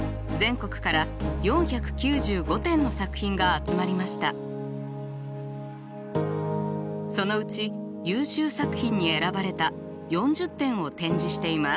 そのうち優秀作品に選ばれた４０点を展示しています。